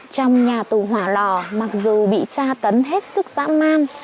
trong nhà tù hỏa lò mặc dù bị tra tấn hết sức dã man